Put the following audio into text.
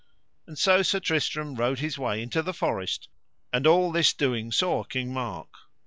And so Sir Tristram rode his way into the forest, and all this doing saw King Mark.